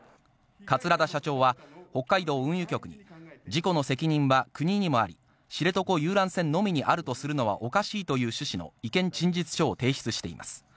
桂田社長は一昨日、北海道運輸局に事故の責任は国にもあり、知床遊覧船のみにあるとするのはおかしいという趣旨の意見陳述書を提出しています。